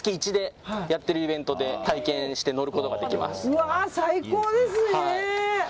うわ、最高ですね！